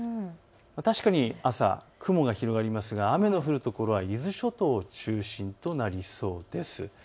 確かに朝、雲が広がりますが雨の降る所は伊豆諸島、中心となりそうです。